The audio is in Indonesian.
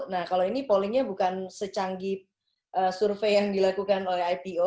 nah kalau ini pollingnya bukan secanggih survei yang dilakukan oleh ipo